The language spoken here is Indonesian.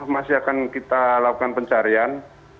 masih akan kita lakukan pencarian